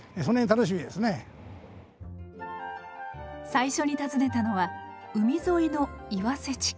最初に訪ねたのは海沿いの岩瀬地区。